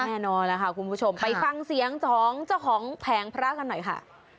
แน่นอนแล้วค่ะคุณผู้ชมไปฟังเสียงของเจ้าของแผงพระกันหน่อยค่ะ